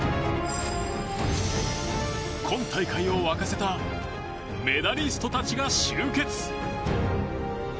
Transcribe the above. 今大会を沸かせたメダリストたちが集結。